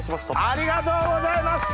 ありがとうございます！